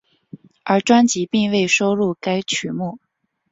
而专辑并未收录该曲目。